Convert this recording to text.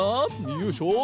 よいしょ。